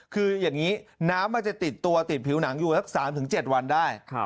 คืออย่างนี้น้ำมันจะติดตัวติดผิวหนังอยู่สัก๓๗วันได้